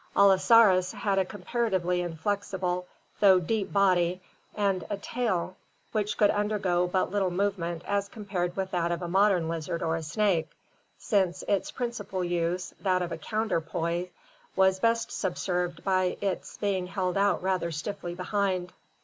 AUosaurus had a comparatively inflexible though deep body and a tail which could undergo but little movement as compared with that of a modern lizard or a snake, since its principal use, that of a counterpoise, was best subserved by its being held out rather stiffly behind.